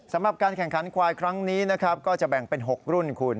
สำหรับการแข่งขันควายครั้งนี้นะครับก็จะแบ่งเป็น๖รุ่นคุณ